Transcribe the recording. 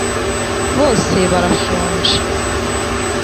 bose barashonje